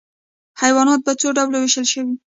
حیوانات په څو ډلو ویشل شوي؟